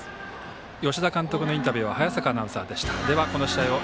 吉田監督のインタビューは早坂アナウンサーでした。